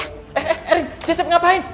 eh erin siap siap ngapain